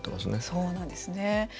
そうなんですね。